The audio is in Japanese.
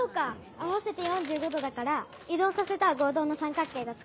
合わせて４５度だから移動させたら合同な三角形がつくれるんだ。